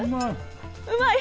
うまい。